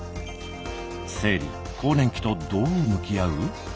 生理・更年期とどう向き合う？